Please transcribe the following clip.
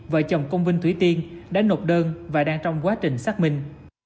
vợ chồng công vinh thủy tiên đã nộp đơn và đang trong quá trình xác minh